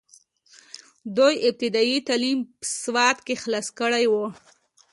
دوي ابتدائي تعليم سوات کښې حاصل کړو،